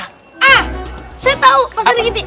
ah saya tahu pak sidiq